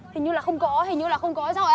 hình như là không có hình như là không có giỏi